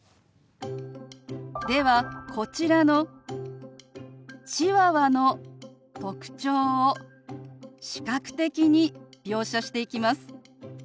ではこちらのチワワの特徴を視覚的に描写していきます。